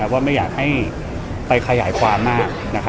ว่าไม่อยากให้ไปขยายความมาก